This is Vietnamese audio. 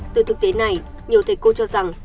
từ thực tế này nhiều thầy cô cho rằng